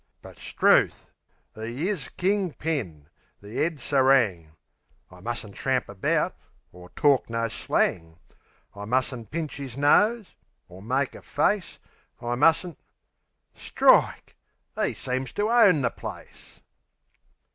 But 'struth! 'E is king pin! The 'ead serang! I mustn't tramp about, or talk no slang; I mustn't pinch 'is nose, or make a face, I mustn't Strike! 'E seems to own the place!